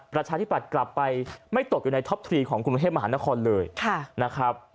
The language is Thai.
ประชาธิปัตย์กลับไปไม่ตกอยู่ในท็อปทรีของกรุงเทพมหานครเลยนะครับ